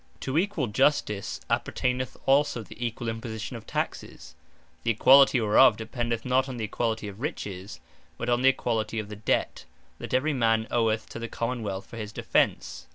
Equall Taxes To Equall Justice, appertaineth also the Equall imposition of Taxes; the equality whereof dependeth not on the Equality of riches, but on the Equality of the debt, that every man oweth to the Common wealth for his defence.